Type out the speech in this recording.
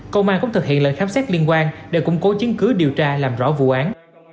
công an cũng thực hiện lệnh khám xét liên quan để củng cố chứng cứ điều tra làm rõ vụ án